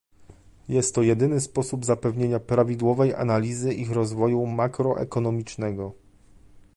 Jest to jedyny sposób zapewnienia prawidłowej analizy ich rozwoju makroekonomicznego